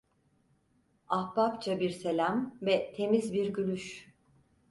Ahbapça bir selam ve temiz bir gülüş…